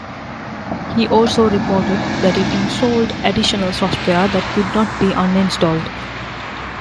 He also reported that it installed additional software that could not be uninstalled.